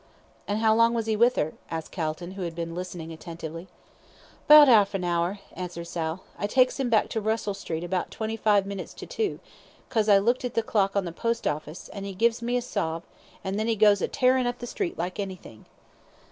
"And how long was he with her?" asked Calton, who had been listening attentively. "'Bout arf a hour," answered Sal. "I takes 'im back to Russell Street 'bout twenty five minutes to two, 'cause I looked at the clock on the Post Office, an' 'e gives me a sov., an' then he goes a tearin' up the street like anything."